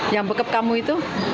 yang bekap kamu itu